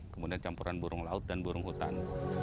kemudian campuran burung laut dan burung hutan